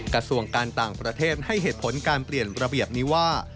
กระทรวงการต่างประเทศให้เหตุผลการเปลี่ยนระเบียบนี้ว่า